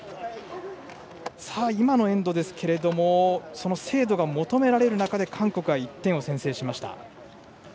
今のエンドですけれどもその精度が求められる中で韓国が１点を先制しました。